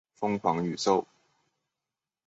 疯狂宇宙